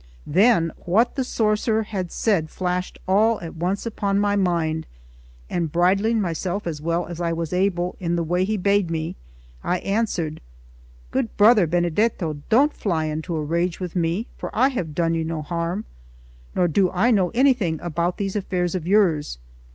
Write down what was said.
Then what the sorcerer had said flashed all at once upon my mind; and bridling myself as well as I was able, in the way he bade me, I answered: "Good brother Benedetto, don't fly into a rage with me, for I have done you no harm, nor do I know anything about these affairs of yours.